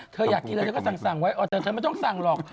เธออยากที่แล้วก็สั่งไว้แต่เธอไม่ต้องสั่งหรอก